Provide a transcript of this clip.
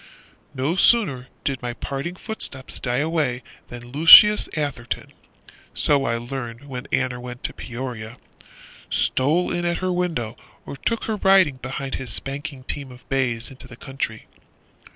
No sooner did my departing footsteps die away Than Lucius Atherton, (So I learned when Aner went to Peoria) Stole in at her window, or took her riding Behind his spanking team of bays Into the country.